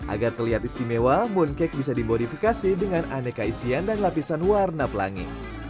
agar terlihat istimewa mooncake bisa dimodifikasi dengan aneka isian dan lapisan warna pelangi